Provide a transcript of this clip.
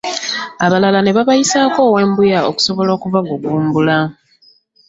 Abalala ne babayisaako ow'embuya okusobola okubagumbulula.